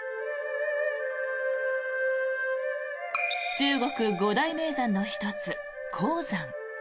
中国五大名山の１つ、衡山。